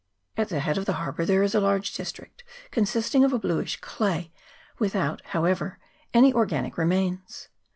At the head of the har bour there is a large district consisting of a bluish clay, without, however, any organic remains.